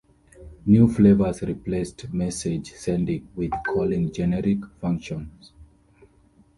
New Flavors replaced message sending with calling generic functions.